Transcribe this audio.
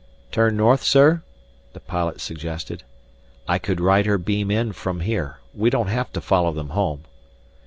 "Turn north, sir?" the pilot suggested. "I could ride her beam in from here we don't have to follow them home."